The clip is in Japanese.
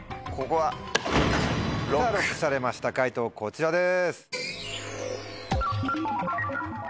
さぁＬＯＣＫされました解答こちらです。